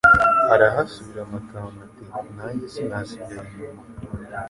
Arahasubira MatamaAti: nanjye sinasigara inyuma,